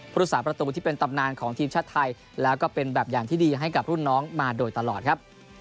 รักษาประตูที่เป็นตำนานของทีมชาติไทยแล้วก็เป็นแบบอย่างที่ดีให้กับรุ่นน้องมาโดยตลอดครับ